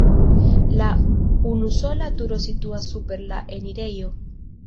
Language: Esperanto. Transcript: La unusola turo situas super la enirejo.